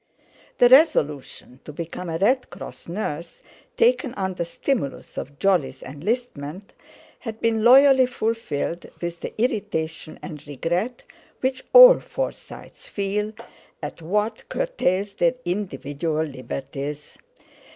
The resolution to become a Red Cross nurse, taken under stimulus of Jolly's enlistment, had been loyally fulfilled with the irritation and regret which all Forsytes feel at what curtails their individual liberties.